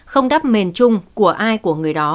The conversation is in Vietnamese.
không đắp mền chung của ai của người đó